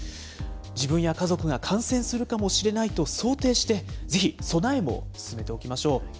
自分や家族が感染するかもしれないと想定して、ぜひ備えも進めておきましょう。